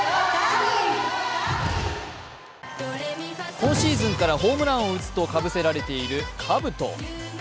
今シーズンからホームランを打つとかぶせられている、かぶと。